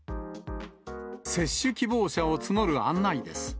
接種希望者を募る案内です。